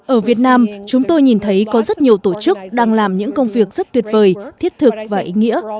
ở việt nam chúng tôi nhìn thấy có rất nhiều tổ chức đang làm những công việc rất tuyệt vời thiết thực và ý nghĩa